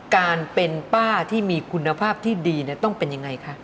การเป็นป้าที่มีคุณภาพที่ดีต้องเป็นยังไงคะ